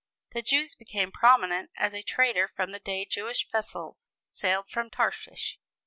The Jew became prominent as a trader from the day Jewish vessels sailed from Tarshish.